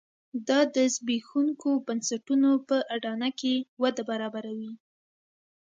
دا د زبېښونکو بنسټونو په اډانه کې وده برابروي.